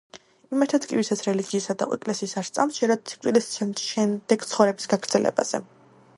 იმათაც კი, ვისაც რელიგიისა და ეკლესიის არ სწამთ, სჯერათ სიკვდილის შენდეგ ცხოვრების გაგრძელებაზე.